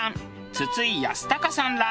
筒井康隆さんら